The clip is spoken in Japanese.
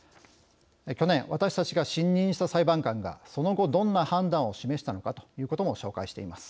去年、私たちが信任した裁判官がその後どんな判断を示したのかということも紹介しています。